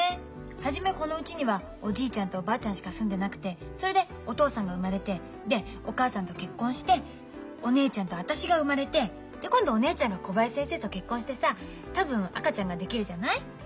初めこのうちにはおじいちゃんとおばあちゃんしか住んでなくてそれでお父さんが生まれてでお母さんと結婚してお姉ちゃんと私が生まれて今度お姉ちゃんが小林先生と結婚してさ多分赤ちゃんができるじゃない？